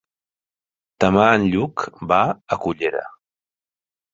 Demà en Lluc va a Cullera.